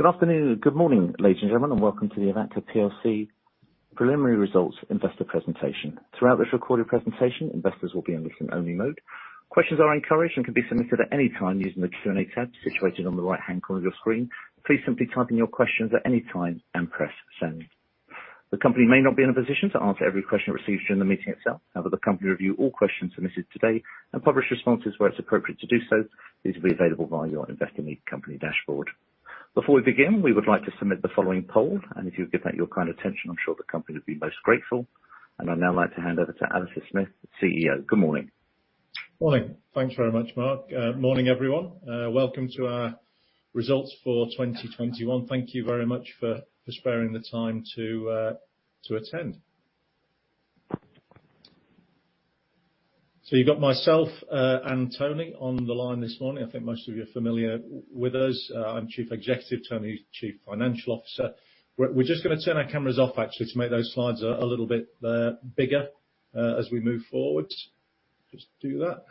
Good afternoon and good morning, ladies and gentlemen, and welcome to the Avacta Group plc preliminary results investor presentation. Throughout this recorded presentation, investors will be in listen only mode. Questions are encouraged and can be submitted at any time using the Q&A tab situated on the right-hand corner of your screen. Please simply type in your questions at any time and press send. The company may not be in a position to answer every question received during the meeting itself. However, the company will review all questions submitted today and publish responses where it's appropriate to do so. These will be available via your Investor Meet Company dashboard. Before we begin, we would like to submit the following poll, and if you would give that your kind attention, I'm sure the company would be most grateful. I'd now like to hand over to Alastair Smith, CEO. Good morning. Morning. Thanks very much, Mark. Morning, everyone. Welcome to our results for 2021. Thank you very much for sparing the time to attend. You got myself and Tony on the line this morning. I think most of you are familiar with us. I'm Chief Executive. Tony's Chief Financial Officer. We're just gonna turn our cameras off actually, to make those slides a little bit bigger as we move forward. Just do that.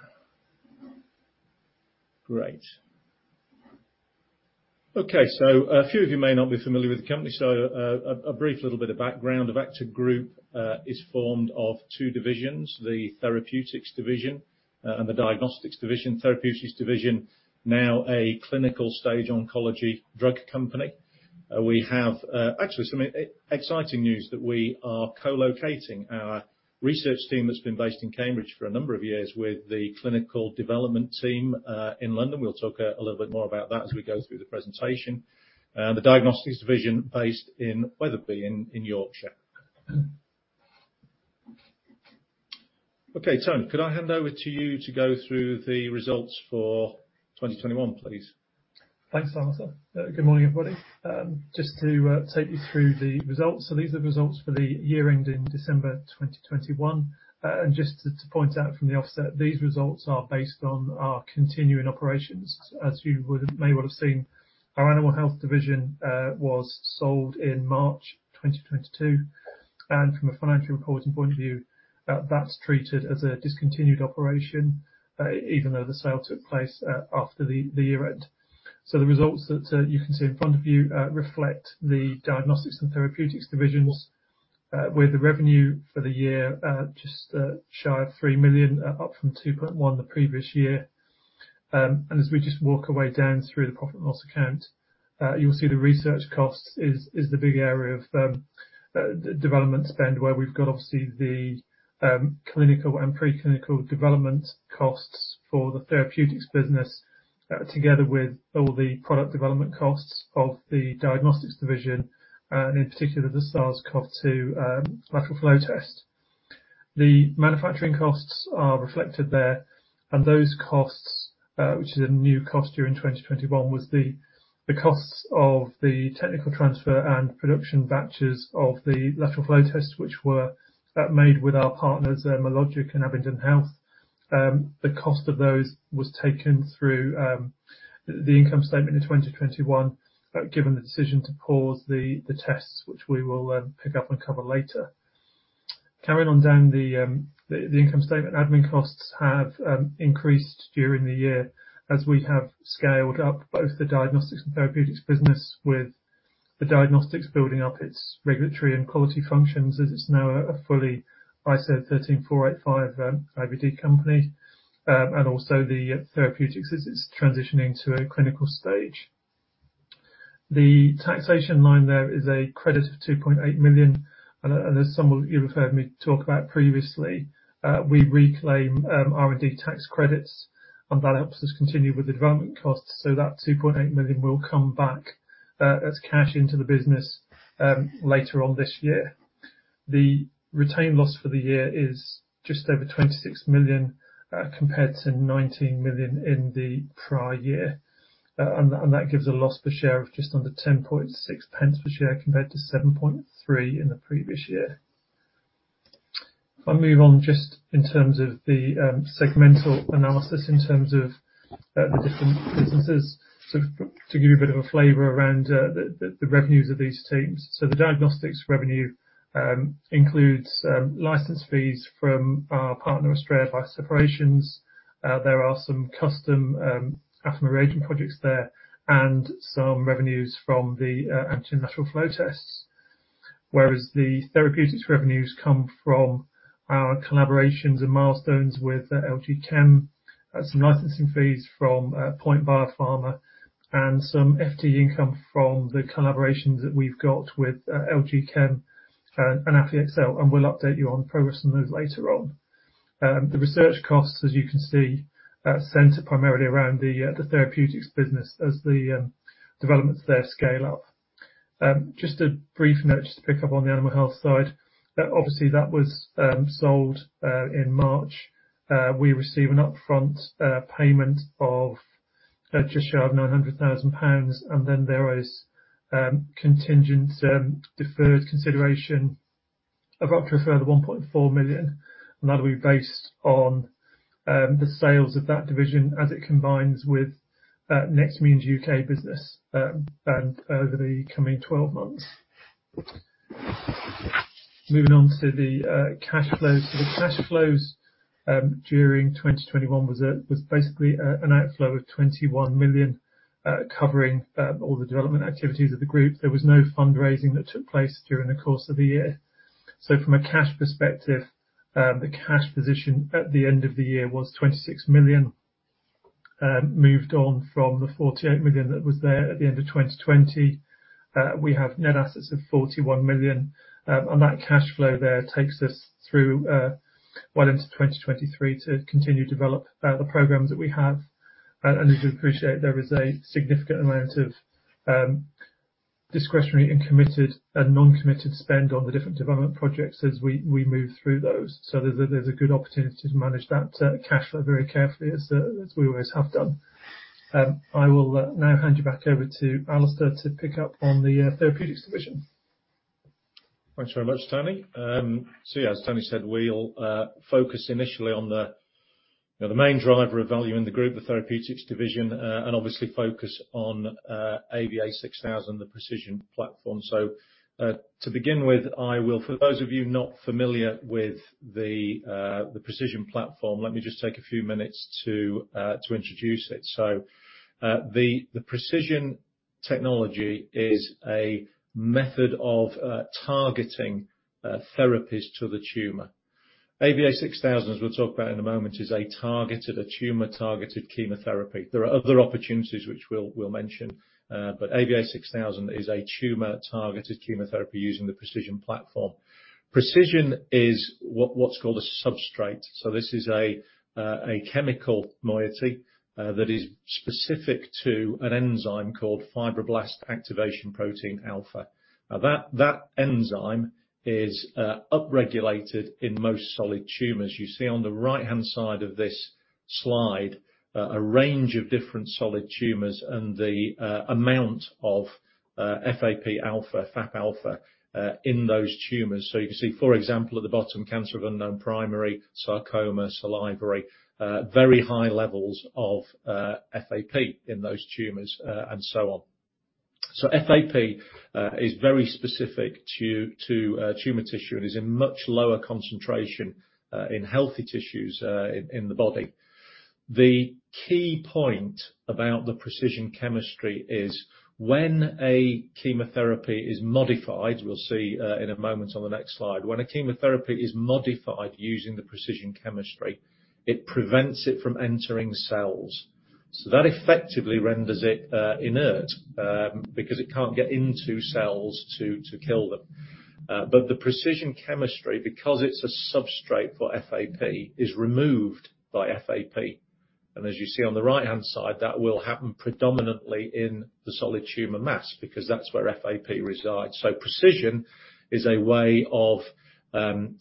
Great. Okay. A few of you may not be familiar with the company, so a brief little bit of background. Avacta Group is formed of two divisions, the therapeutics division and the diagnostics division. Therapeutics division, now a clinical stage oncology drug company. We have actually some exciting news that we are co-locating our research team that's been based in Cambridge for a number of years with the clinical development team in London. We'll talk a little bit more about that as we go through the presentation. The diagnostics division based in Wetherby in Yorkshire. Okay, Tony, could I hand over to you to go through the results for 2021, please? Thanks, Alastair. Good morning, everybody. Just to take you through the results. These are the results for the year ending December 2021. Just to point out from the outset, these results are based on our continuing operations. As you may well have seen, our animal health division was sold in March 2022, and from a financial reporting point of view, that's treated as a discontinued operation even though the sale took place after the year end. The results that you can see in front of you reflect the diagnostics and therapeutics divisions with the revenue for the year just shy of 3 million, up from 2.1 million the previous year. As we just work our way down through the profit and loss account, you'll see the research cost is the big area of development spend, where we've got obviously the clinical and pre-clinical development costs for the therapeutics business, together with all the product development costs of the diagnostics division, and in particular, the SARS-CoV-2 lateral flow test. The manufacturing costs are reflected there, and those costs, which is a new cost during 2021, was the costs of the technical transfer and production batches of the lateral flow tests which were made with our partners, Mologic and Abingdon Health. The cost of those was taken through the income statement in 2021, given the decision to pause the tests, which we will pick up and cover later. Carrying on down the income statement, admin costs have increased during the year as we have scaled up both the diagnostics and therapeutics business, with the diagnostics building up its regulatory and quality functions, as it's now a fully ISO 13485 IVD company, and also the therapeutics as it's transitioning to a clinical stage. The taxation line there is a credit of 2.8 million, and as some of you have heard me talk about previously, we reclaim R&D tax credits, and that helps us continue with the development costs. That 2.8 million will come back as cash into the business later on this year. The retained loss for the year is just over 26 million compared to 19 million in the prior year. That gives a loss per share of just under 10.6 pence per share, compared to 7.3 in the previous year. If I move on just in terms of the segmental analysis in terms of the different businesses. To give you a bit of a flavor around the revenues of these teams. The diagnostics revenue includes license fees from our partner, Astrea Bioseparations. There are some custom Affimerisation projects there and some revenues from the antigen lateral flow tests. Whereas the therapeutics revenues come from our collaborations and milestones with LG Chem, some licensing fees from POINT Biopharma, and some FT income from the collaborations that we've got with LG Chem and AffyXell, and we'll update you on progress on those later on. The research costs, as you can see, center primarily around the therapeutics business as the developments there scale up. Just a brief note just to pick up on the animal health side. Obviously, that was sold in March. We received an upfront payment of just shy of 900,000 pounds, and then there is contingent deferred consideration of up to a further 1.4 million, and that'll be based on the sales of that division as it combines with Nextmune UK business and over the coming 12 months. Moving on to the cash flows. The cash flows during 2021 was basically an outflow of 21 million, covering all the development activities of the group. There was no fundraising that took place during the course of the year. From a cash perspective, the cash position at the end of the year was 26 million, moved on from the 48 million that was there at the end of 2020. We have net assets of 41 million. That cash flow there takes us through well into 2023 to continue to develop the programs that we have. As you'd appreciate, there is a significant amount of discretionary and committed and non-committed spend on the different development projects as we move through those. There's a good opportunity to manage that cash flow very carefully as we always have done. I will now hand you back over to Alastair to pick up on the therapeutics division. Thanks very much, Tony. Yeah, as Tony said, we'll focus initially on the main driver of value in the group, the therapeutics division, and obviously focus on AVA6000, the pre|CISION platform. To begin with, for those of you not familiar with the pre|CISION platform, let me just take a few minutes to introduce it. The pre|CISION technology is a method of targeting therapies to the tumor. AVA6000, as we'll talk about in a moment, is a tumor-targeted chemotherapy. There are other opportunities which we'll mention, but AVA6000 is a tumor-targeted chemotherapy using the pre|CISION platform. pre|CISION is what's called a substrate. This is a chemical moiety that is specific to an enzyme called fibroblast activation protein alpha. Now, that enzyme is upregulated in most solid tumors. You see on the right-hand side of this slide a range of different solid tumors and the amount of FAP-alpha in those tumors. You can see, for example, at the bottom, cancer of unknown primary, sarcoma, salivary, very high levels of FAP in those tumors and so on. FAP is very specific to tumor tissue and is in much lower concentration in healthy tissues in the body. The key point about the pre|CISION chemistry is when a chemotherapy is modified, we'll see in a moment on the next slide, when a chemotherapy is modified using the pre|CISION chemistry, it prevents it from entering cells. That effectively renders it inert because it can't get into cells to kill them. The pre|CISION chemistry, because it's a substrate for FAP, is removed by FAP. As you see on the right-hand side, that will happen predominantly in the solid tumor mass because that's where FAP resides. pre|CISION is a way of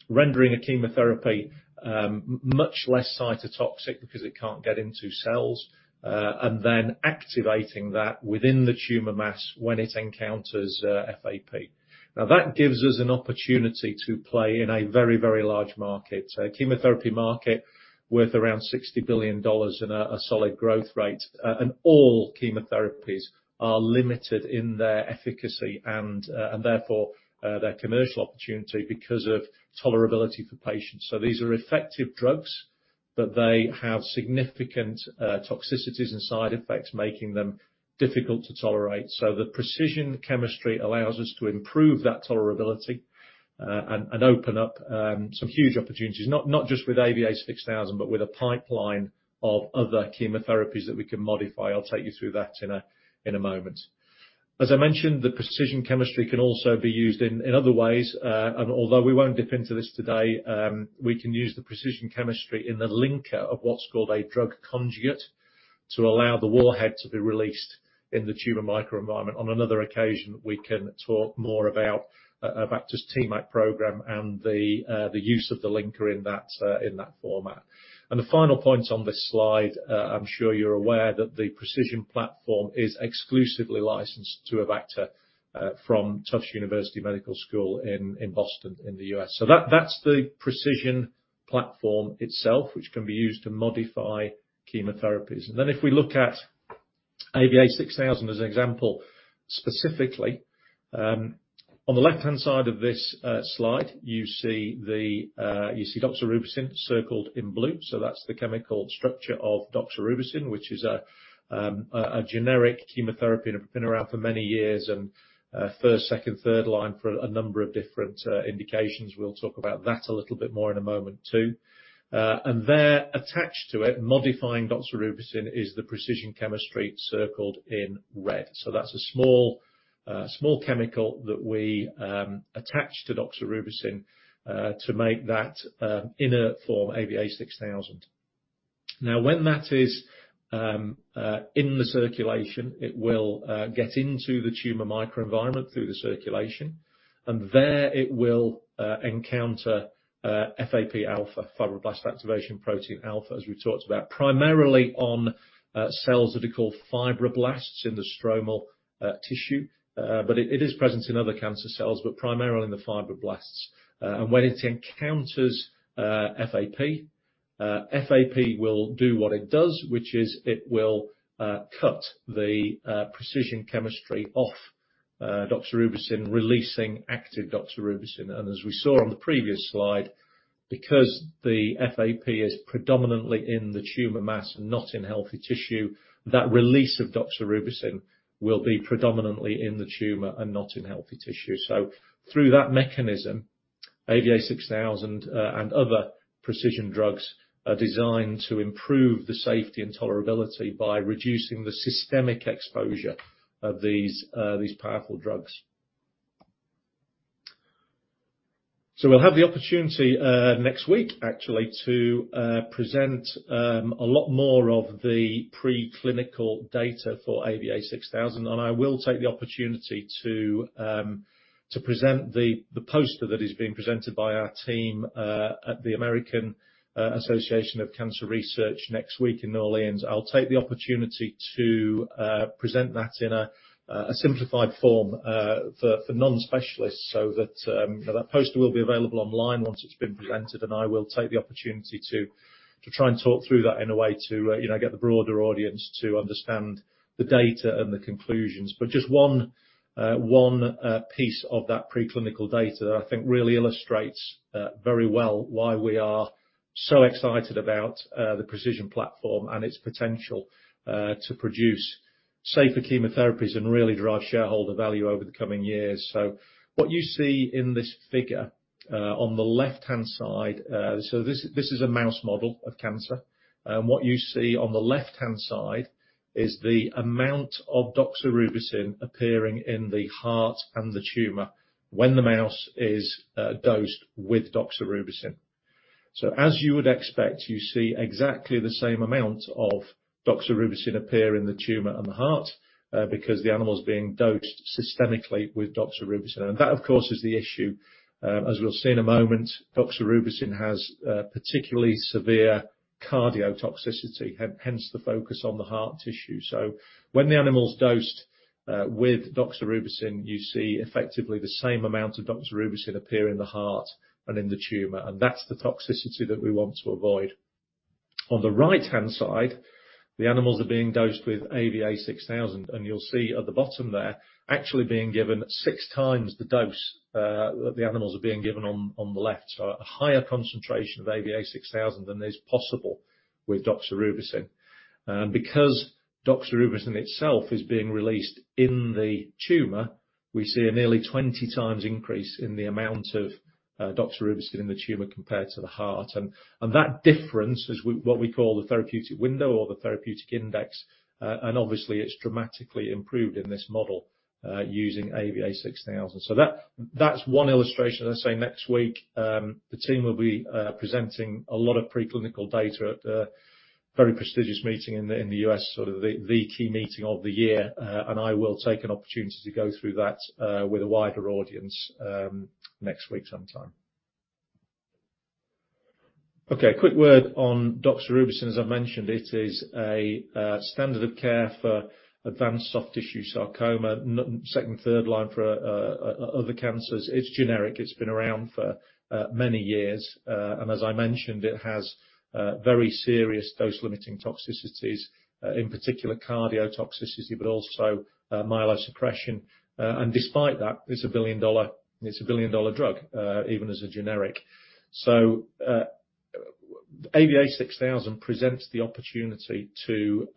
rendering a chemotherapy much less cytotoxic because it can't get into cells and then activating that within the tumor mass when it encounters FAP. Now, that gives us an opportunity to play in a very large market, a chemotherapy market worth around $60 billion and a solid growth rate. All chemotherapies are limited in their efficacy and therefore their commercial opportunity because of tolerability for patients. These are effective drugs, but they have significant toxicities and side effects, making them difficult to tolerate. The pre|CISION chemistry allows us to improve that tolerability, and open up some huge opportunities, not just with AVA6000, but with a pipeline of other chemotherapies that we can modify. I'll take you through that in a moment. As I mentioned, the pre|CISION chemistry can also be used in other ways, and although we won't dip into this today, we can use the pre|CISION chemistry in the linker of what's called a drug conjugate to allow the warhead to be released in the tumor microenvironment. On another occasion, we can talk more about Avacta's TMAC program and the use of the linker in that format. The final point on this slide, I'm sure you're aware that the pre|CISION platform is exclusively licensed to Avacta from Tufts University School of Medicine in Boston in the U.S. That's the pre|CISION platform itself, which can be used to modify chemotherapies. If we look at AVA6000 as an example, specifically, on the left-hand side of this slide, you see doxorubicin circled in blue. That's the chemical structure of doxorubicin, which is a generic chemotherapy been around for many years and first, second, third line for a number of different indications. We'll talk about that a little bit more in a moment too. There attached to it, modifying doxorubicin, is the pre|CISION chemistry circled in red. That's a small chemical that we attach to doxorubicin to make that into AVA6000. Now, when that is in the circulation, it will get into the tumor microenvironment through the circulation, and there it will encounter FAP-alpha, fibroblast activation protein alpha, as we've talked about, primarily on cells that are called fibroblasts in the stromal tissue. It is present in other cancer cells, but primarily in the fibroblasts. When it encounters FAP will do what it does, which is it will cut the pre|CISION chemistry off doxorubicin, releasing active doxorubicin. As we saw on the previous slide, because the FAP is predominantly in the tumor mass and not in healthy tissue, that release of doxorubicin will be predominantly in the tumor and not in healthy tissue. Through that mechanism, AVA6000 and other pre|CISION drugs are designed to improve the safety and tolerability by reducing the systemic exposure of these powerful drugs. We'll have the opportunity next week actually to present a lot more of the preclinical data for AVA6000, and I will take the opportunity to present the poster that is being presented by our team at the American Association for Cancer Research next week in New Orleans. I'll take the opportunity to present that in a simplified form for non-specialists so that that poster will be available online once it's been presented, and I will take the opportunity to try and talk through that in a way to you know get the broader audience to understand the data and the conclusions. Just one piece of that preclinical data that I think really illustrates very well why we are so excited about the pre|CISION platform and its potential to produce safer chemotherapies and really drive shareholder value over the coming years. What you see in this figure on the left-hand side, so this is a mouse model of cancer. What you see on the left-hand side is the amount of doxorubicin appearing in the heart and the tumor when the mouse is dosed with doxorubicin. As you would expect, you see exactly the same amount of doxorubicin appear in the tumor and the heart because the animal's being dosed systemically with doxorubicin. That, of course, is the issue. As we'll see in a moment, doxorubicin has particularly severe cardiotoxicity, hence the focus on the heart tissue. When the animal's dosed with doxorubicin, you see effectively the same amount of doxorubicin appear in the heart and in the tumor, and that's the toxicity that we want to avoid. On the right-hand side, the animals are being dosed with AVA6000, and you'll see at the bottom there, actually being given six times the dose that the animals are being given on the left. A higher concentration of AVA6000 than is possible with doxorubicin. Because doxorubicin itself is being released in the tumor, we see a nearly 20 times increase in the amount of doxorubicin in the tumor compared to the heart. That difference is what we call the therapeutic window or the therapeutic index, and obviously, it's dramatically improved in this model using AVA6000. That's one illustration. As I say, next week, the team will be presenting a lot of preclinical data at a very prestigious meeting in the U.S., sort of the key meeting of the year, and I will take an opportunity to go through that with a wider audience next week sometime. Okay, a quick word on doxorubicin. As I mentioned, it is a standard of care for advanced soft tissue sarcoma, second and third line for other cancers. It's generic. It's been around for many years. As I mentioned, it has very serious dose-limiting toxicities, in particular cardiotoxicity, but also myelosuppression. Despite that, it's a billion-dollar drug, even as a generic. AVA6000 presents the opportunity to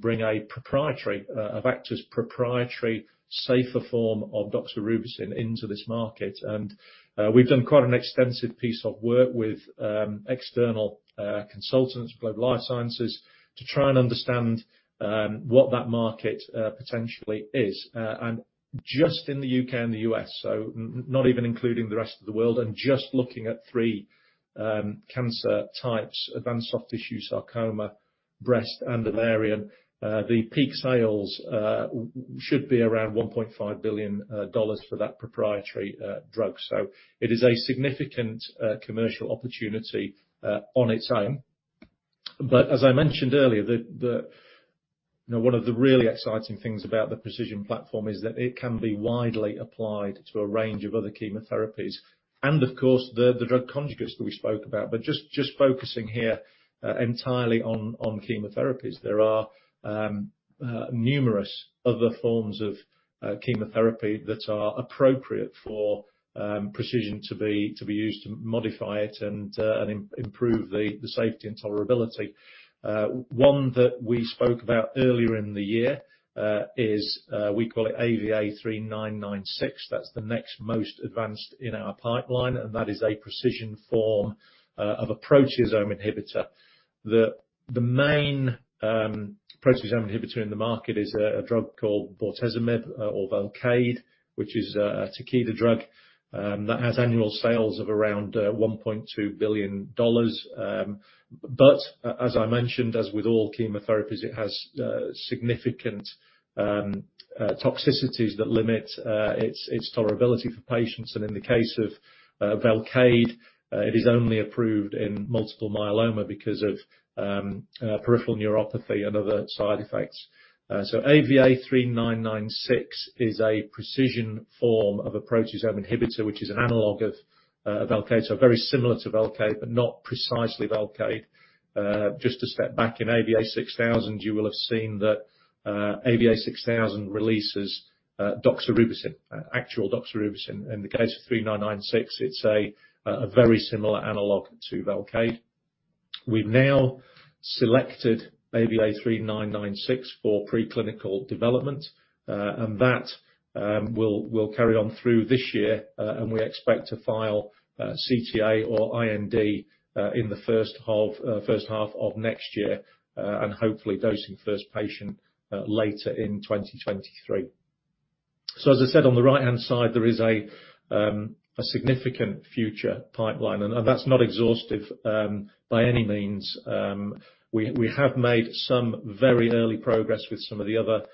bring a proprietary Avacta's proprietary safer form of doxorubicin into this market. We've done quite an extensive piece of work with external consultants GlobalData Life Sciences to try and understand what that market potentially is. Just in the U.K. and the U.S., so not even including the rest of the world and just looking at three cancer types, advanced soft tissue sarcoma, breast, and ovarian, the peak sales should be around $1.5 billion for that proprietary drug. It is a significant commercial opportunity on its own. As I mentioned earlier, the You know, one of the really exciting things about the pre|CISION platform is that it can be widely applied to a range of other chemotherapies and, of course, the drug conjugates that we spoke about. Just focusing here entirely on chemotherapies, there are numerous other forms of chemotherapy that are appropriate for pre|CISION to be used to modify it and improve the safety and tolerability. One that we spoke about earlier in the year is, we call it AVA3996. That's the next most advanced in our pipeline, and that is a pre|CISION form of a proteasome inhibitor. The main proteasome inhibitor in the market is a drug called bortezomib or Velcade, which is a Takeda drug that has annual sales of around $1.2 billion. But as I mentioned, as with all chemotherapies, it has significant toxicities that limit its tolerability for patients. In the case of Velcade, it is only approved in multiple myeloma because of peripheral neuropathy and other side effects. AVA3996 is a pre|CISION form of a proteasome inhibitor, which is an analog of Velcade. Very similar to Velcade, but not precisely Velcade. Just to step back, in AVA6000, you will have seen that AVA6000 releases doxorubicin, actual doxorubicin. In the case of AVA3996, it's a very similar analog to Velcade. We've now selected AVA3996 for preclinical development, and that will carry on through this year, and we expect to file CTA or IND in the first half of next year, and hopefully dosing first patient later in 2023. As I said, on the right-hand side, there is a significant future pipeline, and that's not exhaustive by any means. We have made some very early progress with some of the other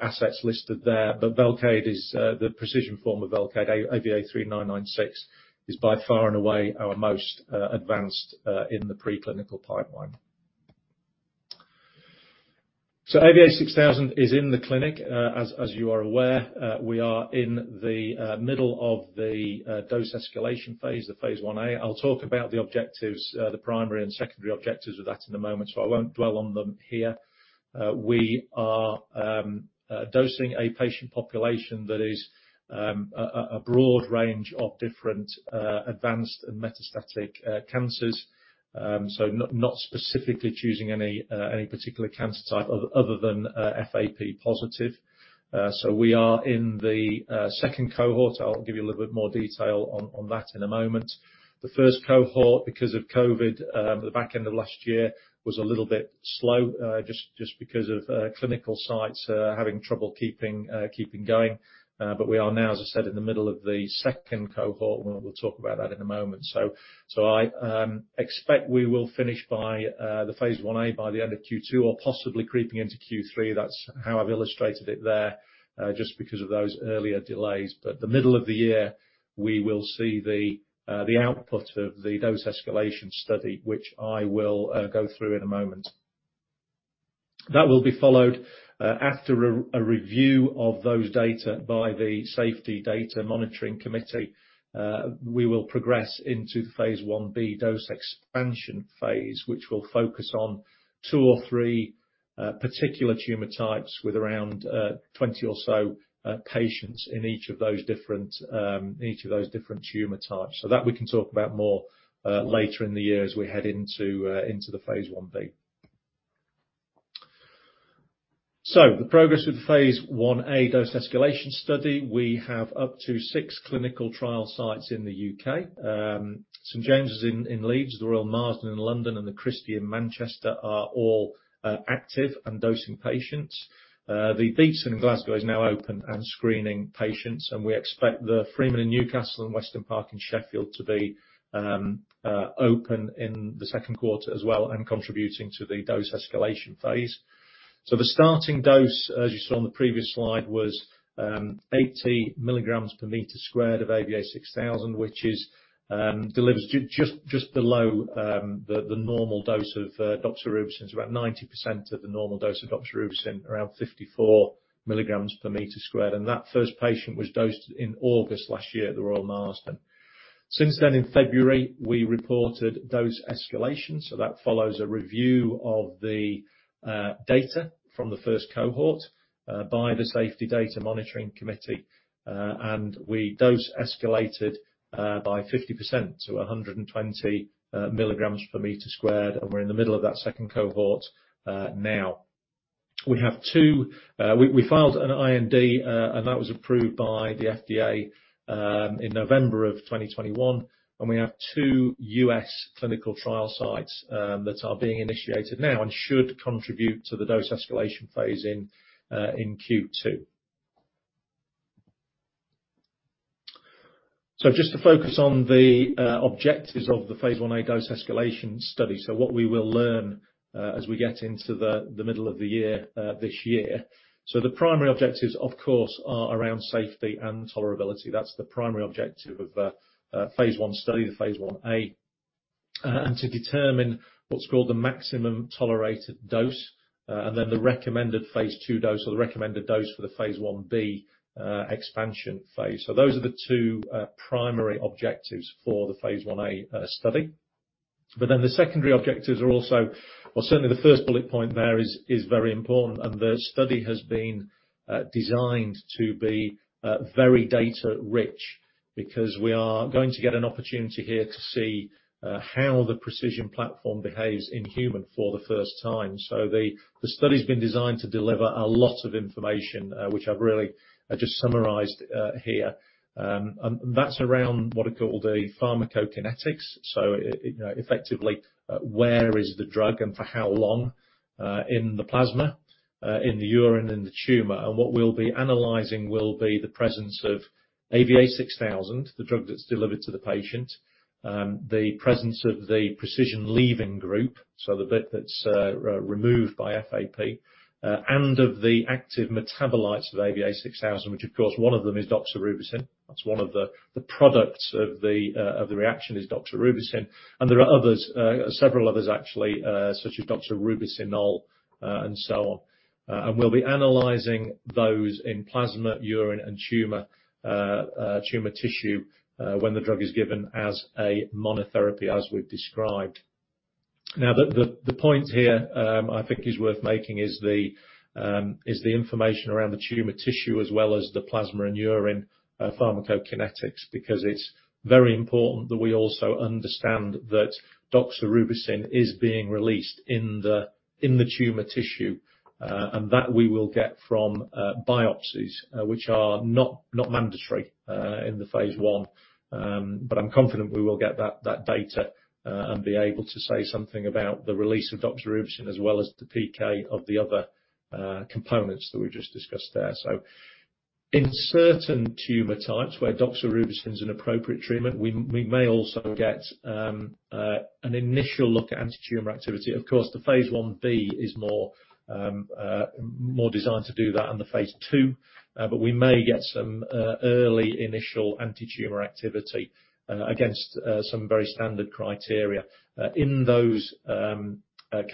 assets listed there, but Velcade is the pre|CISION form of Velcade. AVA3996 is by far and away our most advanced in the preclinical pipeline. AVA6000 is in the clinic, as you are aware. We are in the middle of the dose escalation phase I-A. I'll talk about the objectives, the primary and secondary objectives of that in a moment, so I won't dwell on them here. We are dosing a patient population that is a broad range of different advanced and metastatic cancers. Not specifically choosing any particular cancer type other than FAP positive. We are in the second cohort. I'll give you a little bit more detail on that in a moment. The first cohort, because of COVID, the back end of last year, was a little bit slow, just because of clinical sites having trouble keeping going. We are now, as I said, in the middle of the second cohort, and we'll talk about that in a moment. I expect we will finish by the phase I-A by the end of Q2 or possibly creeping into Q3. That's how I've illustrated it there, just because of those earlier delays. The middle of the year, we will see the output of the dose escalation study, which I will go through in a moment. That will be followed, after a review of those data by the safety data monitoring committee. We will progress into the phase I-B dose expansion phase, which will focus on two or three particular tumor types with around 20 or so patients in each of those different tumor types. That we can talk about more later in the year as we head into the phase I-B. The progress with the phase I-A dose escalation study. We have up to six clinical trial sites in the U.K. St. James's in Leeds, the Royal Marsden in London, and The Christie in Manchester are all active and dosing patients. The Beatson in Glasgow is now open and screening patients, and we expect the Freeman in Newcastle and Weston Park in Sheffield to be open in the second quarter as well and contributing to the dose escalation phase. The starting dose, as you saw on the previous slide, was 80 mg per square meter of AVA6000, which is just below the normal dose of doxorubicin. It's about 90% of the normal dose of doxorubicin, around 54 mg per meter squared. That first patient was dosed in August last year at the Royal Marsden. Since then, in February, we reported dose escalation, so that follows a review of the data from the first cohort by the safety data monitoring committee. We dose escalated by 50% to 120 mg per meter squared, and we're in the middle of that second cohort now. We filed an IND, and that was approved by the FDA in November of 2021, and we have two U.S. clinical trial sites that are being initiated now and should contribute to the dose escalation phase in Q2. Just to focus on the objectives of the phase I-A dose escalation study. What we will learn as we get into the middle of the year this year. The primary objectives, of course, are around safety and tolerability. That's the primary objective of a phase I study, the phase I-A. To determine what's called the maximum tolerated dose and then the recommended phase II dose or the recommended dose for the phase I-B expansion phase. Those are the two primary objectives for the phase I-A study. Then the secondary objectives are also, or certainly the first bullet point there is very important. The study has been designed to be very data-rich because we are going to get an opportunity here to see how the pre|CISION platform behaves in humans for the first time. The study's been designed to deliver a lot of information, which I just summarized here. That's around what are called pharmacokinetics. You know, effectively, where is the drug and for how long in the plasma, in the urine, in the tumor. What we'll be analyzing will be the presence of AVA6000, the drug that's delivered to the patient, the presence of the pre|CISION leaving group, so the bit that's removed by FAP, and of the active metabolites of AVA6000, which of course one of them is doxorubicin. That's one of the products of the reaction is doxorubicin. There are others, several others actually, such as doxorubicinol, and so on. We'll be analyzing those in plasma, urine, and tumor tissue when the drug is given as a monotherapy, as we've described. Now the point here, I think is worth making is the information around the tumor tissue as well as the plasma and urine pharmacokinetics, because it's very important that we also understand that doxorubicin is being released in the tumor tissue, and that we will get from biopsies, which are not mandatory in phase I. I'm confident we will get that data and be able to say something about the release of doxorubicin as well as the PK of the other components that we just discussed there. In certain tumor types where doxorubicin is an appropriate treatment, we may also get an initial look at antitumor activity. Of course, the phase I-B is more designed to do that in the phase II. We may get some early initial antitumor activity against some very standard criteria in those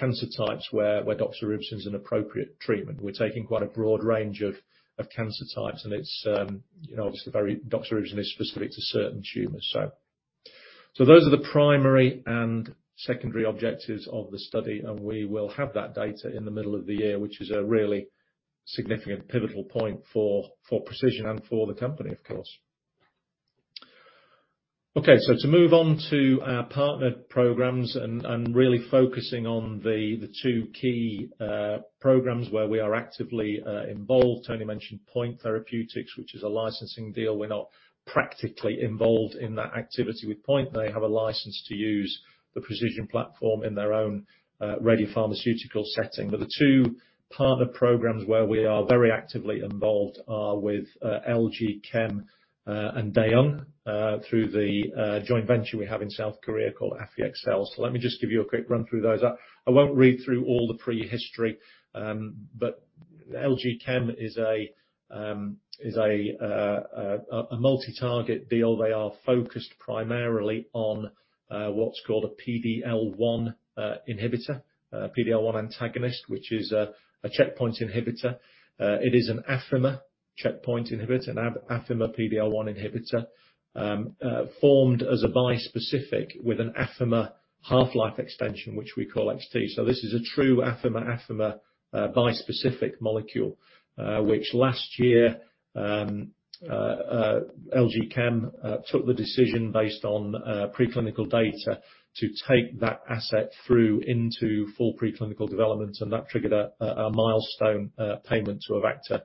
cancer types where doxorubicin is an appropriate treatment. We're taking quite a broad range of cancer types, and it's, you know, obviously doxorubicin is specific to certain tumors. Those are the primary and secondary objectives of the study, and we will have that data in the middle of the year, which is a really significant pivotal point for pre|CISION and for the company, of course. Okay, to move on to our partner programs and really focusing on the two key programs where we are actively involved. Tony mentioned POINT Biopharma, which is a licensing deal. We're not practically involved in that activity with POINT. They have a license to use the pre|CISION platform in their own radiopharmaceutical setting. The two partner programs where we are very actively involved are with LG Chem and Daewoong through the joint venture we have in South Korea called AffyXell. Let me just give you a quick run through those. I won't read through all the pre-history, but LG Chem is a multi-target deal. They are focused primarily on what's called a PD-L1 inhibitor, PD-L1 antagonist, which is a checkpoint inhibitor. It is an Affimer checkpoint inhibitor, an Affimer PD-L1 inhibitor, formed as a bispecific with an Affimer half-life extension, which we call HT. This is a true Affimer bispecific molecule, which last year LG Chem took the decision based on preclinical data to take that asset through into full preclinical development, and that triggered a milestone payment to Avacta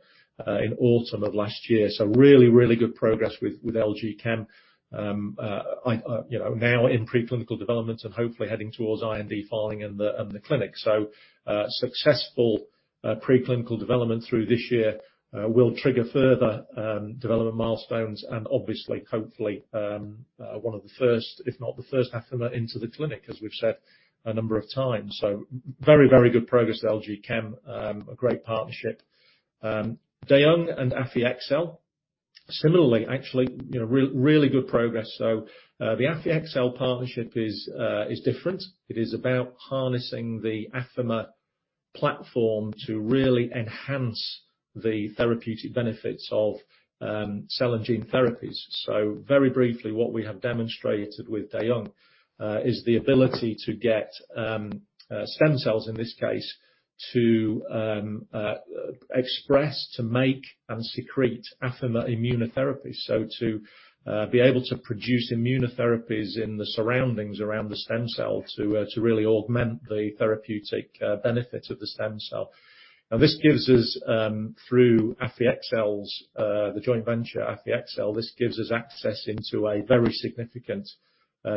in autumn of last year. Really good progress with LG Chem. You know, now in preclinical development and hopefully heading towards IND filing in the clinic. Successful preclinical development through this year will trigger further development milestones and obviously, hopefully one of the first, if not the first Affimer into the clinic, as we've said a number of times. Very, very good progress at LG Chem. A great partnership. Daewoong and AffyXell, similarly, actually, you know, really good progress. The AffyXell partnership is different. It is about harnessing the Affimer platform to really enhance the therapeutic benefits of cell and gene therapies. Very briefly, what we have demonstrated with Daewoong is the ability to get stem cells, in this case, to express, to make and secrete Affimer immunotherapy. To be able to produce immunotherapies in the surroundings around the stem cell to really augment the therapeutic benefit of the stem cell. Now, this gives us through AffyXell, the joint venture, access into a very significant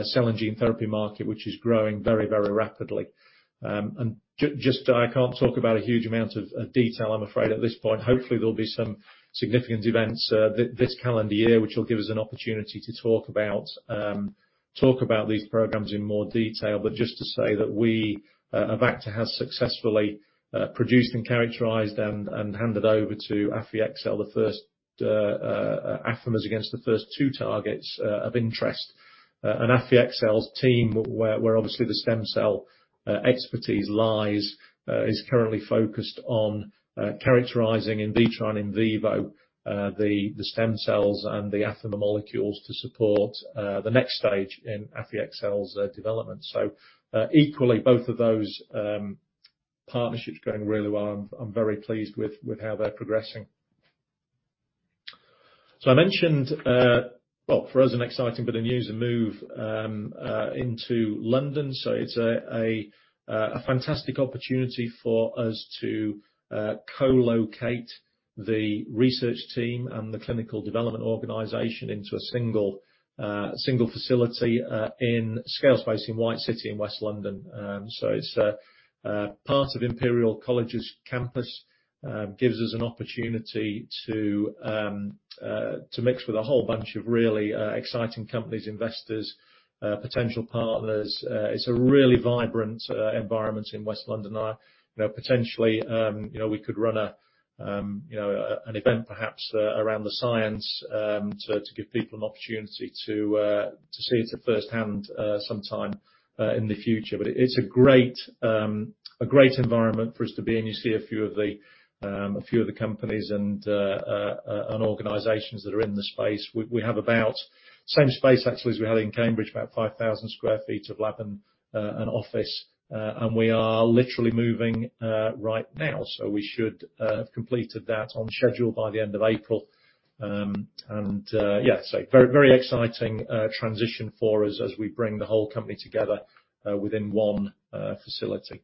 cell and gene therapy market, which is growing very, very rapidly. Just, I can't talk about a huge amount of detail, I'm afraid at this point. Hopefully, there'll be some significant events this calendar year, which will give us an opportunity to talk about these programs in more detail. Just to say that we have actually produced and characterized and handed over to AffyXell the first Affimers against the first two targets of interest. AffyXell's team where obviously the stem cell expertise lies is currently focused on characterizing in vitro and in vivo the stem cells and the Affimer molecules to support the next stage in AffyXell's development. Equally both of those partnerships are going really well. I'm very pleased with how they're progressing. I mentioned for us an exciting bit of news, a move into London. It's a fantastic opportunity for us to co-locate the research team and the clinical development organization into a single facility in Scale Space in White City in West London. It's a part of Imperial College London's campus, gives us an opportunity to mix with a whole bunch of really exciting companies, investors, potential partners. It's a really vibrant environment in West London. You know, potentially, we could run an event perhaps around the science to give people an opportunity to see it firsthand sometime in the future. It's a great environment for us to be in. You see a few of the companies and organizations that are in the space. We have about the same space actually as we had in Cambridge, about 5,000 sq ft of lab and office. We are literally moving right now, so we should have completed that on schedule by the end of April. Very, very exciting transition for us as we bring the whole company together within one facility.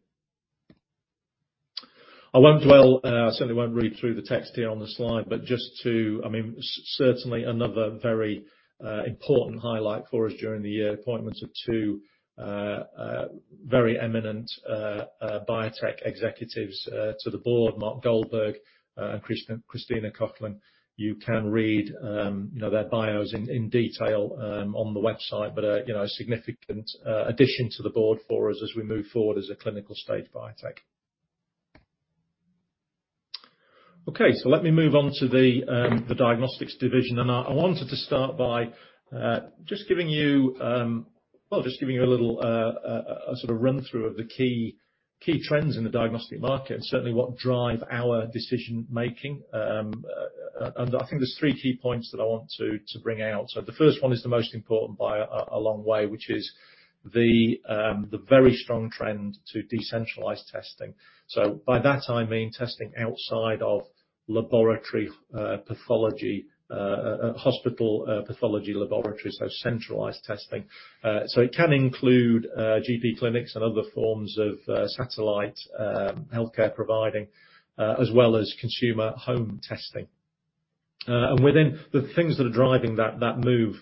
I won't dwell, I certainly won't read through the text here on the slide, but just to, I mean, certainly another very important highlight for us during the year, appointments of two very eminent biotech executives to the board, Mark Goldberg and Christina Coughlin. You can read, you know, their bios in detail on the website, but you know, significant addition to the board for us as we move forward as a clinical-stage biotech. Okay. Let me move on to the diagnostics division. I wanted to start by just giving you a sort of run-through of the key trends in the diagnostic market, certainly what drive our decision-making. I think there's three key points that I want to bring out. The first one is the most important by a long way, which is the very strong trend to decentralized testing. By that, I mean testing outside of laboratory pathology hospital pathology laboratories, so centralized testing. It can include GP clinics and other forms of satellite healthcare providing, as well as consumer home testing. Within the things that are driving that move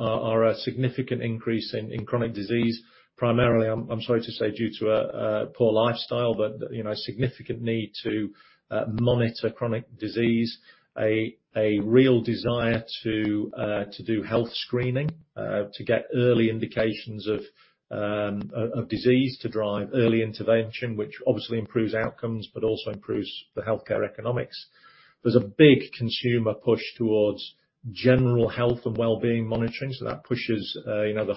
are a significant increase in chronic disease. Primarily, I'm sorry to say, due to a poor lifestyle, but, you know, significant need to monitor chronic disease, a real desire to do health screening to get early indications of disease to drive early intervention, which obviously improves outcomes but also improves the healthcare economics. There's a big consumer push towards general health and well-being monitoring, so that pushes, you know, the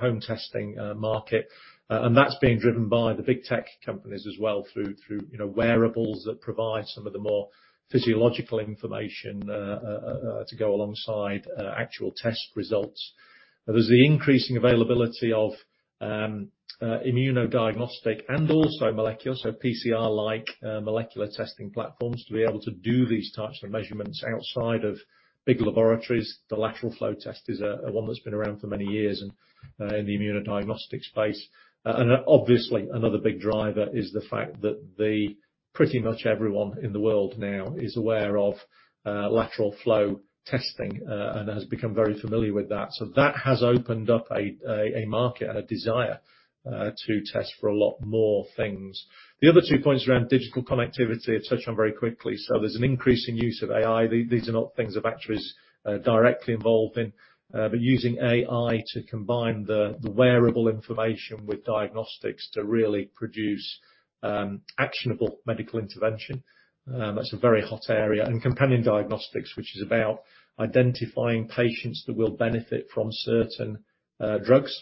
home testing market. And that's being driven by the big tech companies as well through, you know, wearables that provide some of the more physiological information to go alongside actual test results. There's the increasing availability of immunodiagnostic and also molecular, so PCR-like, molecular testing platforms to be able to do these types of measurements outside of big laboratories. The lateral flow test is one that's been around for many years in the immunodiagnostic space. Obviously another big driver is the fact that pretty much everyone in the world now is aware of lateral flow testing and has become very familiar with that. That has opened up a market and a desire to test for a lot more things. The other two points around digital connectivity I'll touch on very quickly. There's an increase in use of AI. These are not things that Avacta is directly involved in, but using AI to combine the wearable information with diagnostics to really produce actionable medical intervention. That's a very hot area. Companion diagnostics is about identifying patients that will benefit from certain drugs.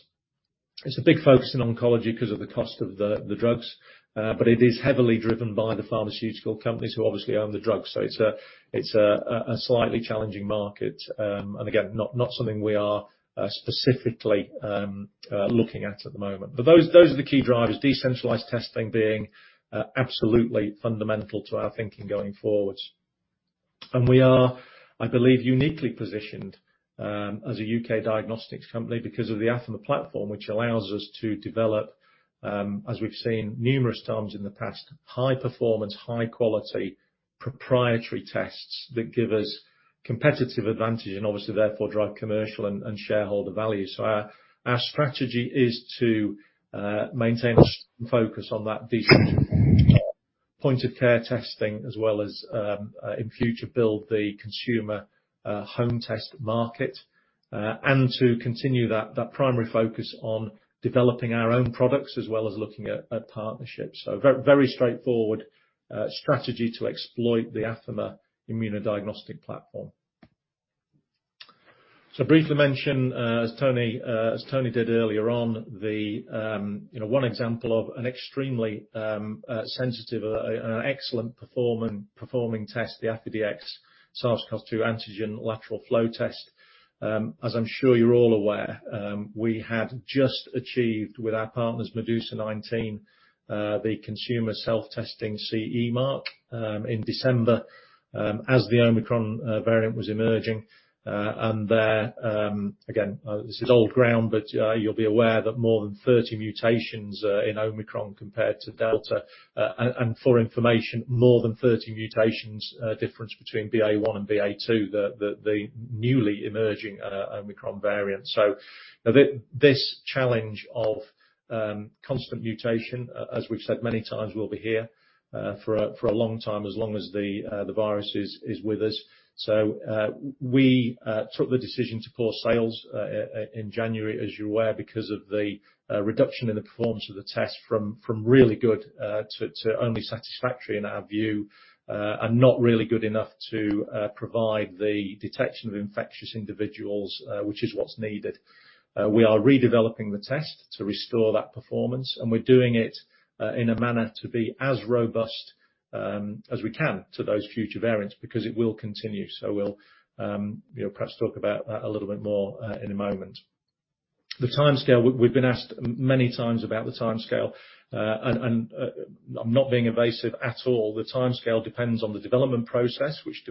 It's a big focus in oncology 'cause of the cost of the drugs, but it is heavily driven by the pharmaceutical companies who obviously own the drugs. It's a slightly challenging market, and again, not something we are specifically looking at at the moment. Those are the key drivers, decentralized testing being absolutely fundamental to our thinking going forwards. We are, I believe, uniquely positioned as a U.K. diagnostics company because of the Affimer platform, which allows us to develop, as we've seen numerous times in the past, high performance, high quality proprietary tests that give us competitive advantage and obviously therefore drive commercial and shareholder value. Our strategy is to maintain focus on that decentralized point-of-care testing as well as in future build the consumer home test market and to continue that primary focus on developing our own products as well as looking at partnerships. Very, very straightforward strategy to exploit the Affimer immunodiagnostic platform. Briefly mention as Tony did earlier on, you know, one example of an extremely sensitive excellent performing test, the AffiDX SARS-CoV-2 antigen lateral flow test. As I'm sure you're all aware, we had just achieved with our partners Medusa19 the consumer self-testing CE mark in December, as the Omicron variant was emerging, and there, again, this is old ground, but you'll be aware that more than 30 mutations in Omicron compared to Delta, and for information, more than 30 mutations difference between BA.1 and BA.2, the newly emerging Omicron variant. This challenge of constant mutation, as we've said many times, will be here for a long time, as long as the virus is with us. We took the decision to pause sales in January, as you're aware, because of the reduction in the performance of the test from really good to only satisfactory in our view, and not really good enough to provide the detection of infectious individuals, which is what's needed. We are redeveloping the test to restore that performance, and we're doing it in a manner to be as robust as we can to those future variants because it will continue. We'll, you know, perhaps talk about that a little bit more in a moment. The timescale, we've been asked many times about the timescale, and I'm not being evasive at all. The timescale depends on the development process which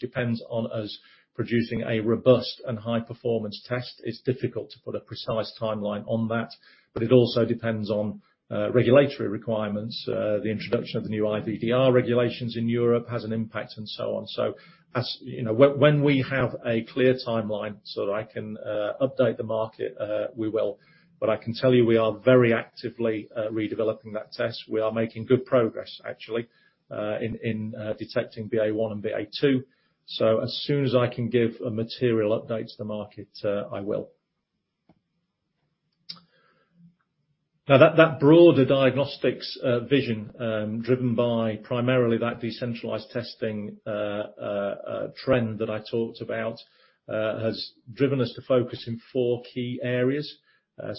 depends on us producing a robust and high-performance test. It's difficult to put a precise timeline on that. It also depends on regulatory requirements. The introduction of the new IVDR regulations in Europe has an impact and so on. You know, when we have a clear timeline so that I can update the market, we will. I can tell you we are very actively redeveloping that test. We are making good progress actually in detecting BA.1 and BA.2. As soon as I can give a material update to the market, I will. Now, that broader diagnostics vision, driven by primarily that decentralized testing, a trend that I talked about, has driven us to focus in four key areas.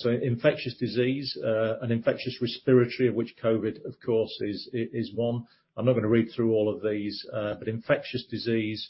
Infectious disease and infectious respiratory of which COVID, of course, is one. I'm not gonna read through all of these, but infectious disease,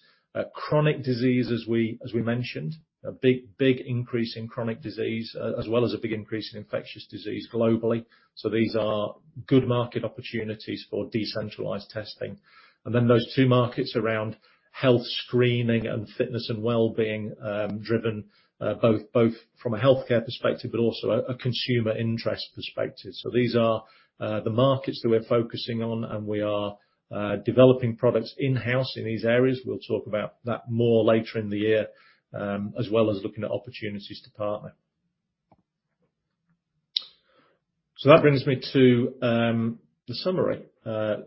chronic disease, as we mentioned. A big increase in chronic disease, as well as a big increase in infectious disease globally. These are good market opportunities for decentralized testing. Then those two markets around health screening and fitness and wellbeing, driven both from a healthcare perspective, but also a consumer interest perspective. These are the markets that we're focusing on, and we are developing products in-house in these areas. We'll talk about that more later in the year, as well as looking at opportunities to partner. That brings me to the summary. I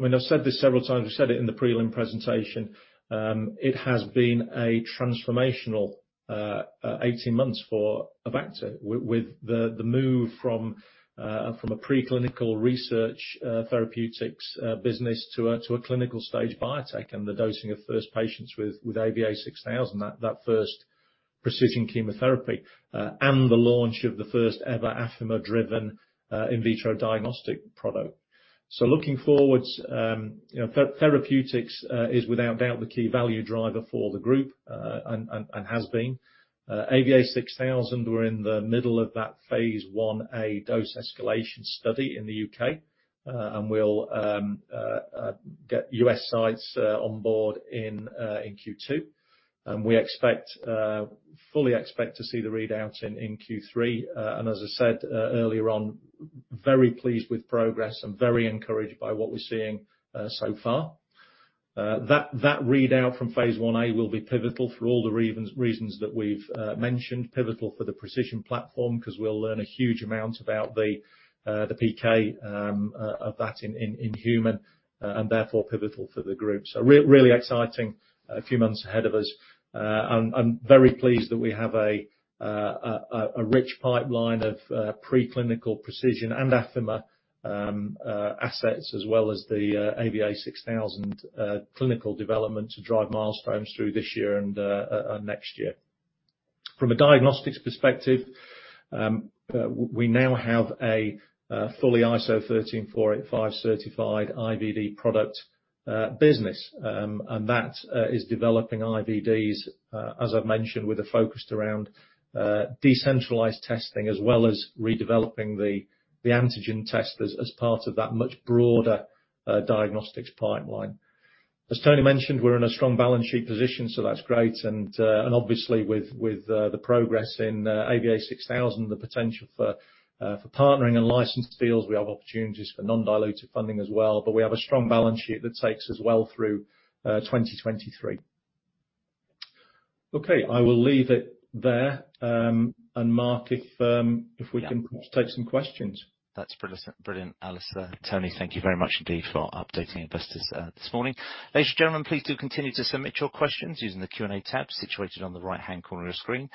mean, I've said this several times, we said it in the preliminary presentation, it has been a transformational 18 months for Avacta with the move from a preclinical research therapeutics business to a clinical stage biotech and the dosing of first patients with AVA6000, that first pre|CISION chemotherapy, and the launch of the first ever Affimer-driven in vitro diagnostic product. Looking forward, you know, therapeutics is without doubt the key value driver for the group and has been. AVA6000, we're in the middle of that phase I-A dose escalation study in the U.K. We'll get U.S. sites on board in Q2. We expect fully expect to see the readout in Q3. As I said earlier on, I'm very pleased with progress and very encouraged by what we're seeing so far. That readout from phase I-A will be pivotal for all the reasons that we've mentioned. Pivotal for the pre|CISION platform, 'cause we'll learn a huge amount about the PK of that in humans, and therefore pivotal for the group. Really exciting a few months ahead of us. I'm very pleased that we have a rich pipeline of preclinical pre|CISION and Affimer assets, as well as the AVA6000 clinical development to drive milestones through this year and next year. From a diagnostics perspective, we now have a fully ISO 13485 certified IVD product business. That is developing IVDs, as I've mentioned, with a focus around decentralized testing, as well as redeveloping the antigen test as part of that much broader diagnostics pipeline. As Tony mentioned, we're in a strong balance sheet position, so that's great. Obviously with the progress in AVA6000, the potential for partnering and licensing deals, we have opportunities for non-dilutive funding as well, but we have a strong balance sheet that takes us well through 2023. Okay, I will leave it there. Mark, if we can take some questions. That's brilliant, Alastair. Tony, thank you very much indeed for updating investors this morning. Ladies and gentlemen, please do continue to submit your questions using the Q&A tab situated on the right-hand corner of your screen.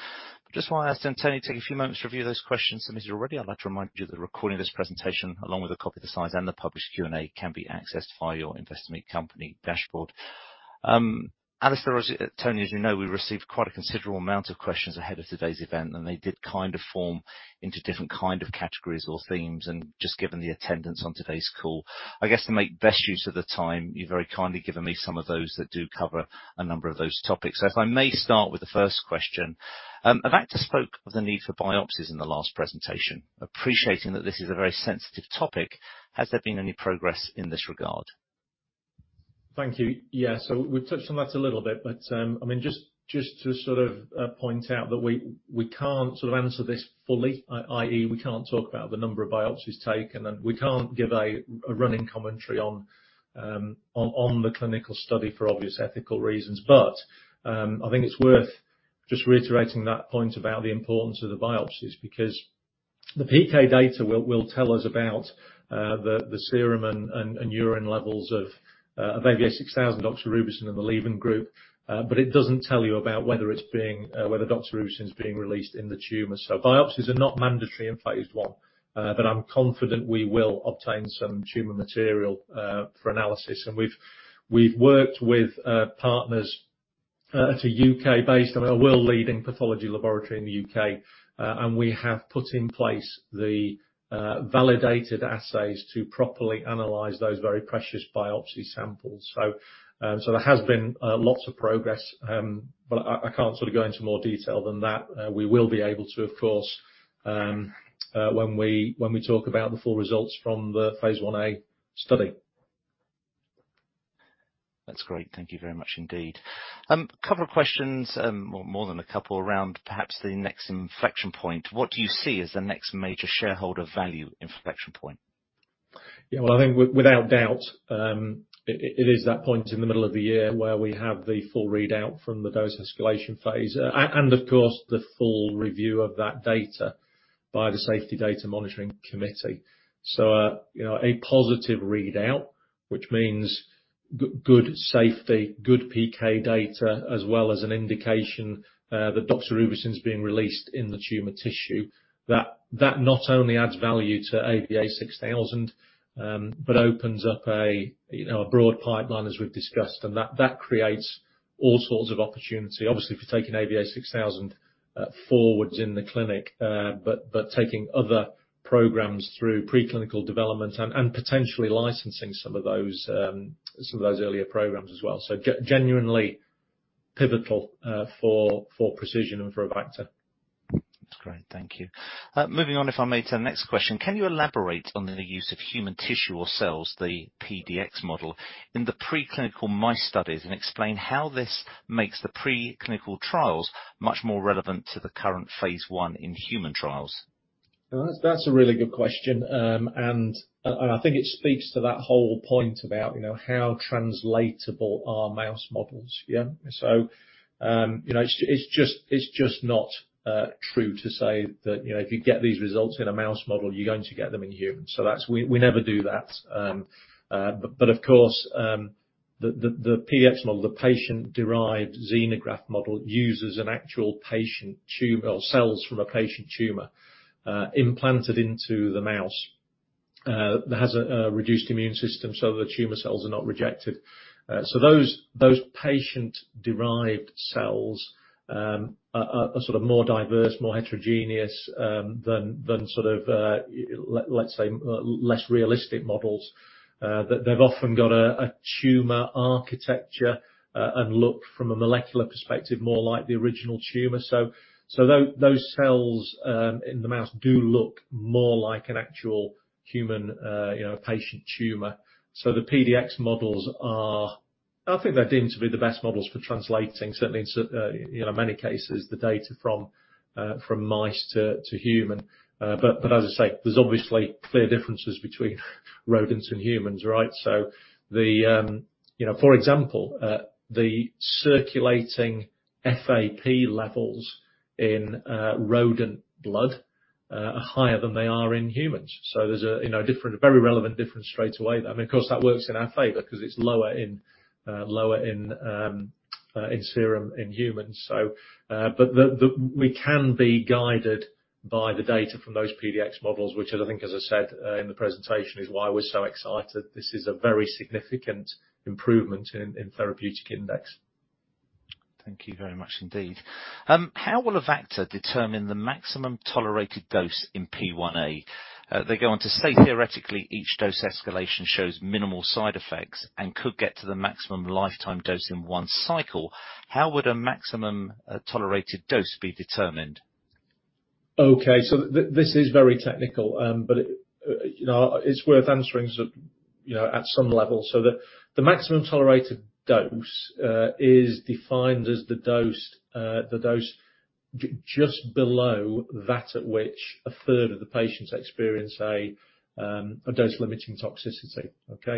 Just while I ask Tony to take a few moments to review those questions submitted already, I'd like to remind you that a recording of this presentation, along with a copy of the slides and the published Q&A, can be accessed via your Investor Meet Company dashboard. Tony, as you know, we received quite a considerable amount of questions ahead of today's event, and they did kind of form into different kind of categories or themes. Just given the attendance on today's call, I guess to make best use of the time, you've very kindly given me some of those that do cover a number of those topics. If I may start with the first question. Avacta spoke of the need for biopsies in the last presentation. Appreciating that this is a very sensitive topic, has there been any progress in this regard? Thank you. Yeah. We've touched on that a little bit, but I mean, just to sort of point out that we can't sort of answer this fully, i.e., we can't talk about the number of biopsies taken and we can't give a running commentary on the clinical study for obvious ethical reasons. I think it's worth just reiterating that point about the importance of the biopsies because the PK data will tell us about the serum and urine levels of AVA6000, doxorubicin in the leaving group. It doesn't tell you about whether doxorubicin is being released in the tumor. Biopsies are not mandatory in phase I, but I'm confident we will obtain some tumor material for analysis. We've worked with partners at a U.K.-based and a world-leading pathology laboratory in the U.K. We have put in place the validated assays to properly analyze those very precious biopsy samples. There has been lots of progress, but I can't sort of go into more detail than that. We will be able to, of course, when we talk about the full results from the phase I-A study. That's great. Thank you very much indeed. A couple of questions, or more than a couple, around perhaps the next inflection point. What do you see as the next major shareholder value inflection point? Yeah. Well, I think without doubt, it is that point in the middle of the year where we have the full readout from the dose escalation phase, and of course, the full review of that data by the safety data monitoring committee. You know, a positive readout, which means good safety, good PK data, as well as an indication that doxorubicin is being released in the tumor tissue, that not only adds value to AVA6000, but opens up, you know, a broad pipeline as we've discussed, and that creates all sorts of opportunity. Obviously, for taking AVA6000 forward in the clinic, but taking other programs through pre-clinical development and potentially licensing some of those earlier programs as well. Genuinely pivotal for pre|CISION and for Avacta. That's great. Thank you. Moving on, if I may, to the next question. Can you elaborate on the use of human tissue or cells, the PDX model, in the preclinical mice studies and explain how this makes the preclinical trials much more relevant to the current phase I in human trials? That's a really good question, and I think it speaks to that whole point about, you know, how translatable are mouse models? Yeah. You know, it's just not true to say that, you know, if you get these results in a mouse model, you're going to get them in humans. That's. We never do that. Of course, the PDX model, the patient-derived xenograft model, uses an actual patient tumor, or cells from a patient tumor, implanted into the mouse, that has a reduced immune system so the tumor cells are not rejected. Those patient-derived cells are sort of more diverse, more heterogeneous, than sort of let's say less realistic models that they've often got a tumor architecture and look from a molecular perspective more like the original tumor. Those cells in the mouse do look more like an actual human, you know, patient tumor. The PDX models are. I think they're deemed to be the best models for translating, certainly in so many cases, the data from mice to human. But as I say, there's obviously clear differences between rodents and humans, right? For example, the circulating FAP levels in rodent blood are higher than they are in humans. There's a, you know, different, very relevant difference straight away. Of course, that works in our favor 'cause it's lower in serum in humans. We can be guided by the data from those PDX models, which I think, as I said, in the presentation, is why we're so excited. This is a very significant improvement in therapeutic index. Thank you very much indeed. How will Avacta determine the maximum tolerated dose in phase I-A? They go on to say theoretically, each dose escalation shows minimal side effects and could get to the maximum lifetime dose in one cycle. How would a maximum tolerated dose be determined? Okay, this is very technical, but you know, it's worth answering so, you know, at some level. The maximum tolerated dose is defined as the dose just below that at which a third of the patients experience a dose-limiting toxicity, okay.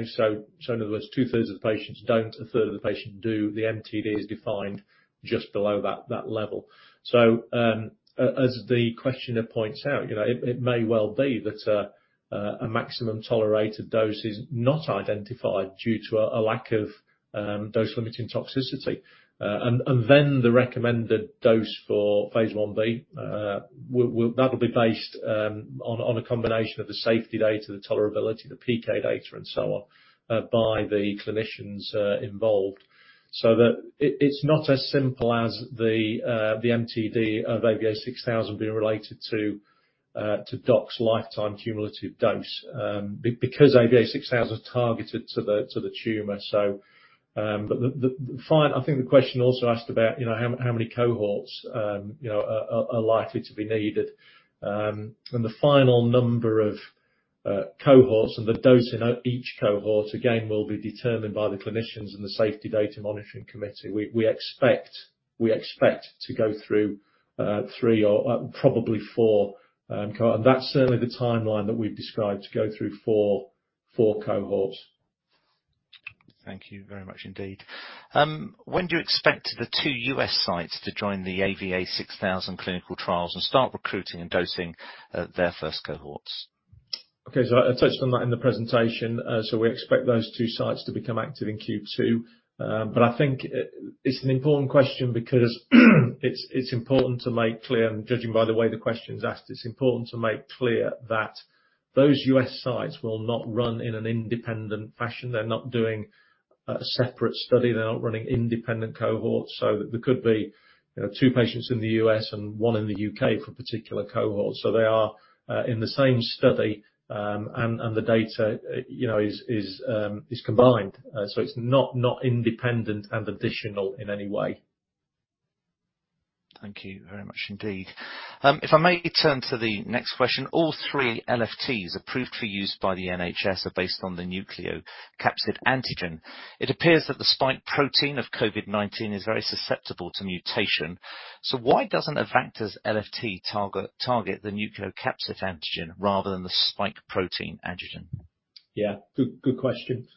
In other words, two-thirds of the patients don't, a third of the patients do. The MTD is defined just below that level. As the questioner points out, you know, it may well be that a maximum tolerated dose is not identified due to a lack of dose-limiting toxicity. The recommended dose for phase I-B that'll be based on a combination of the safety data, the tolerability, the PK data and so on by the clinicians involved. It's not as simple as the MTD of AVA6000 being related to dox lifetime cumulative dose because AVA6000 is targeted to the tumor. I think the question also asked about you know how many cohorts you know are likely to be needed. The final number of cohorts and the dose in each cohort again will be determined by the clinicians and the safety data monitoring committee. We expect to go through three or probably four. That's certainly the timeline that we've described to go through four cohorts. Thank you very much indeed. When do you expect the two U.S. sites to join the AVA6000 clinical trials and start recruiting and dosing their first cohorts? Okay. I touched on that in the presentation, we expect those two sites to become active in Q2. I think it's an important question because it's important to make clear, and judging by the way the question is asked, it's important to make clear that those U.S. sites will not run in an independent fashion. They're not doing a separate study. They're not running independent cohorts. There could be, you know, two patients in the U.S. and one in the U.K. for a particular cohort. They are in the same study, and the data, you know, is combined. It's not independent and additional in any way. Thank you very much indeed. If I may turn to the next question. All three LFTs approved for use by the NHS are based on the nucleocapsid antigen. It appears that the spike protein of COVID-19 is very susceptible to mutation. Why doesn't Avacta's LFT target the nucleocapsid antigen rather than the spike protein antigen? Good question.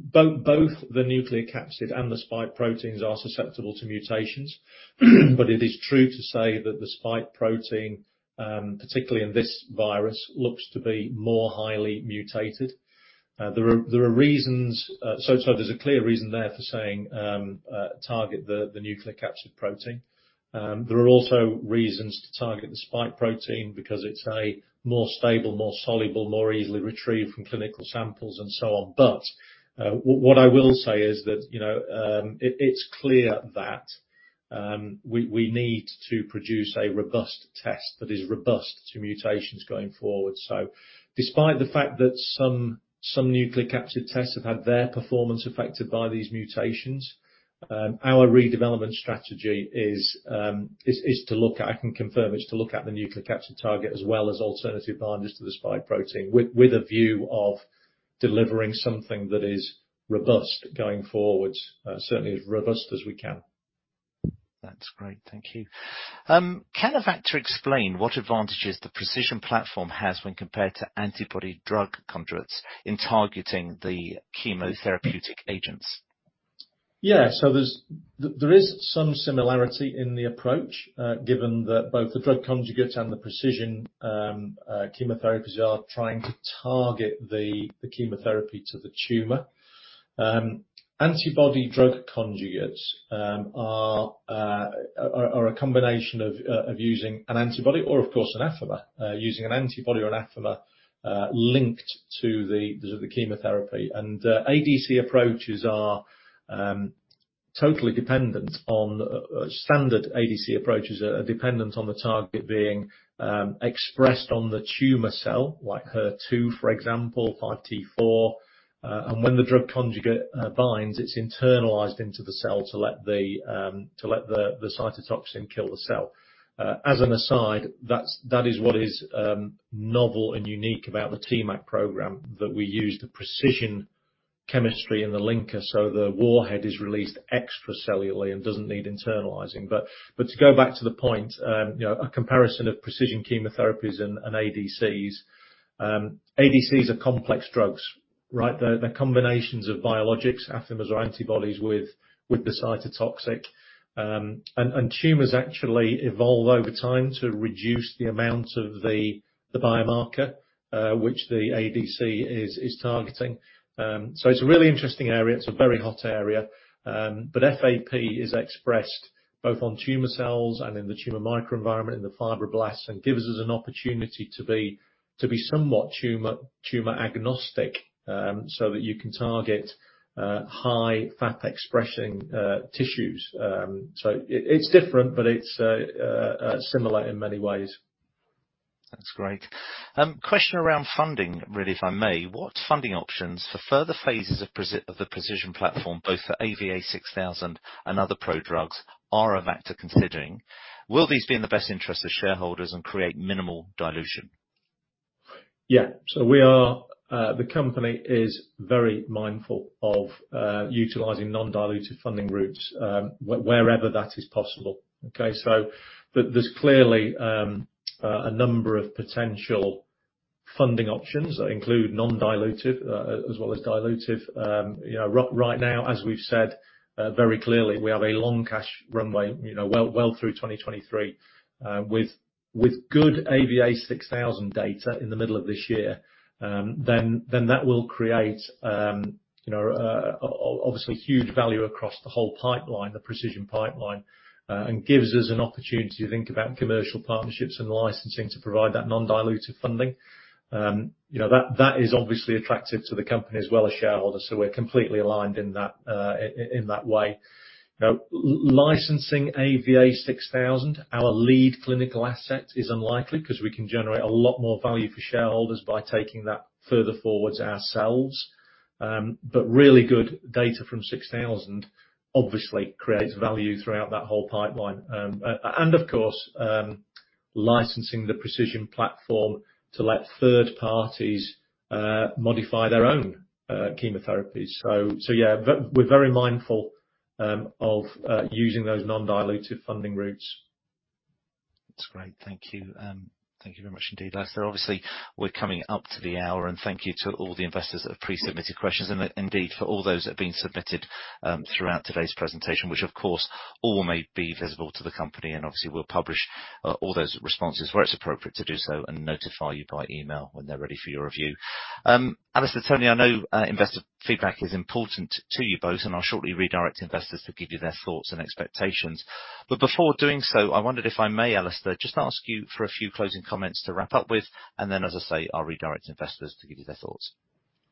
Both the nucleocapsid and the spike proteins are susceptible to mutations, but it is true to say that the spike protein, particularly in this virus, looks to be more highly mutated. There's a clear reason there for saying target the nucleocapsid protein. There are also reasons to target the spike protein because it's a more stable, more soluble, more easily retrieved from clinical samples and so on. What I will say is that, you know, it's clear that we need to produce a robust test that is robust to mutations going forward. Despite the fact that some nucleocapsid tests have had their performance affected by these mutations, our redevelopment strategy is to look at the nucleocapsid target as well as alternative binders to the spike protein, with a view of delivering something that is robust going forward, certainly as robust as we can. That's great. Thank you. Can Avacta explain what advantages the pre|CISION platform has when compared to antibody drug conjugates in targeting the chemotherapeutic agents? Yeah. There is some similarity in the approach, given that both the drug conjugates and the pre|CISION chemotherapies are trying to target the chemotherapy to the tumor. Antibody drug conjugates are a combination of using an antibody or, of course, an Affimer, linked to the chemotherapy. Standard ADC approaches are totally dependent on the target being expressed on the tumor cell, like HER2, for example, 5T4. When the drug conjugate binds, it's internalized into the cell to let the cytotoxin kill the cell. As an aside, that is what is novel and unique about the TMAC program, that we use the pre|CISION chemistry in the linker so the warhead is released extracellularly and doesn't need internalizing. To go back to the point, you know, a comparison of pre|CISION chemotherapies and ADCs. ADCs are complex drugs, right? They're combinations of biologics, Affimers or antibodies with the cytotoxic. Tumors actually evolve over time to reduce the amount of the biomarker which the ADC is targeting. So it's a really interesting area. It's a very hot area. FAP is expressed both on tumor cells and in the tumor microenvironment, in the fibroblasts, and gives us an opportunity to be somewhat tumor agnostic, so that you can target high FAP expressing tissues. It's different, but it's similar in many ways. That's great. Question around funding really, if I may. What funding options for further phases of the pre|CISION platform, both for AVA6000 and other prodrugs, are Avacta considering? Will these be in the best interest of shareholders and create minimal dilution? The company is very mindful of utilizing non-dilutive funding routes wherever that is possible. Okay? There's clearly a number of potential funding options that include non-dilutive as well as dilutive. You know, right now, as we've said, very clearly, we have a long cash runway, you know, well through 2023. With good AVA6000 data in the middle of this year, then that will create you know obviously huge value across the whole pipeline, the pre|CISION pipeline, and gives us an opportunity to think about commercial partnerships and licensing to provide that non-dilutive funding. You know, that is obviously attractive to the company as well as shareholders, so we're completely aligned in that way. Now, licensing AVA6000, our lead clinical asset, is unlikely 'cause we can generate a lot more value for shareholders by taking that further forward ourselves. Really good data from AVA6000 obviously creates value throughout that whole pipeline. Of course, licensing the pre|CISION platform to let third parties modify their own chemotherapies. Yeah, we're very mindful of using those non-dilutive funding routes. That's great. Thank you. Thank you very much indeed. Alastair, obviously we're coming up to the hour, and thank you to all the investors that have pre-submitted questions, and indeed for all those that have been submitted throughout today's presentation, which of course all may be visible to the company. Obviously we'll publish all those responses where it's appropriate to do so and notify you by email when they're ready for your review. Alastair, Tony, I know investor feedback is important to you both, and I'll shortly redirect investors to give you their thoughts and expectations. Before doing so, I wondered, if I may, Alastair, just ask you for a few closing comments to wrap up with, and then, as I say, I'll redirect investors to give you their thoughts.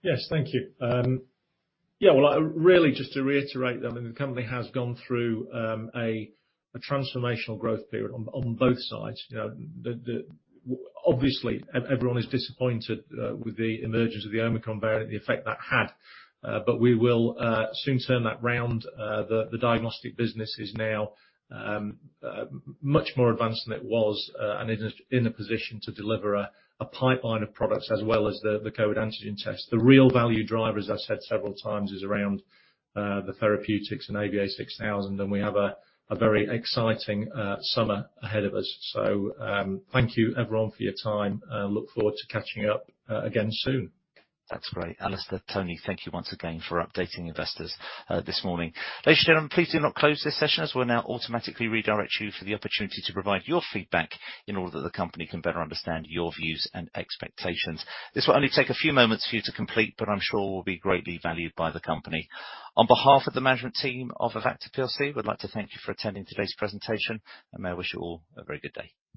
Yes. Thank you. Well, really just to reiterate, I mean, the company has gone through a transformational growth period on both sides. You know, everyone is disappointed with the emergence of the Omicron variant and the effect that had, but we will soon turn that round. The diagnostic business is now much more advanced than it was and in a position to deliver a pipeline of products as well as the COVID antigen test. The real value driver, as I've said several times, is around the therapeutics and AVA6000, and we have a very exciting summer ahead of us. Thank you everyone for your time and I look forward to catching up again soon. That's great. Alastair, Tony, thank you once again for updating investors this morning. Ladies and gentlemen, please do not close this session as we'll now automatically redirect you for the opportunity to provide your feedback in order that the company can better understand your views and expectations. This will only take a few moments for you to complete, but I'm sure will be greatly valued by the company. On behalf of the management team of Avacta plc, we'd like to thank you for attending today's presentation, and may I wish you all a very good day.